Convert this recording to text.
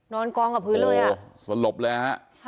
นอนกองกับพื้นเลยอ่ะสลบเลยฮะ